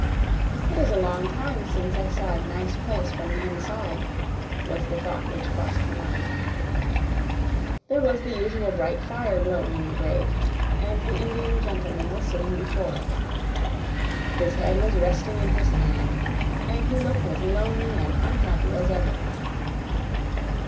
"It is a long time since I saw a nice place from the inside," was the thought which crossed her mind. There was the usual bright fire glowing in the grate, and the Indian gentleman was sitting before it. His head was resting in his hand, and he looked as lonely and unhappy as ever.